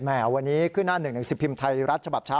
แหมวันนี้ขึ้นหน้า๑๑๑๐พิมพ์ไทยรัฐฉบับเช้า